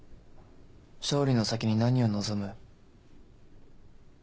勝利の先に何を望む？